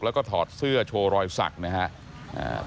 แล้วก็ถอดเสื้อโชว์รอยสักนะครับ